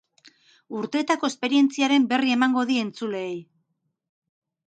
Urteetako esperientziaren berri emango die entzuleei.